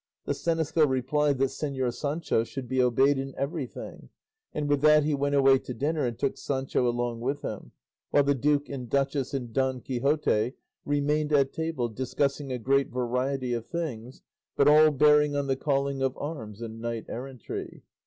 The seneschal replied that Señor Sancho should be obeyed in everything; and with that he went away to dinner and took Sancho along with him, while the duke and duchess and Don Quixote remained at table discussing a great variety of things, but all bearing on the calling of arms and knight errantry.